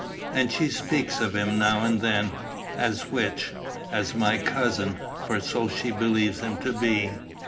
"And she speaks of him, now and then." "As which?" "As my cousin; for so she believes him to be."